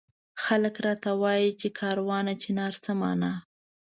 خلک راته وایي چي کاروانه چنار څه مانا؟